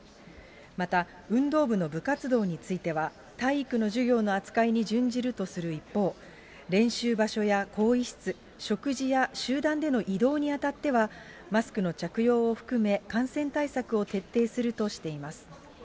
また運動部の部活動については、体育の授業の扱いに準じるとする一方、練習場所や更衣室、食事や集団での移動にあたっては、マスクの着用を含め、感染対策を徹底するとしています。